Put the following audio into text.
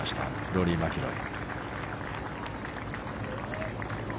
ローリー・マキロイ。